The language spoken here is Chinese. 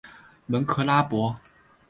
蒙克拉博。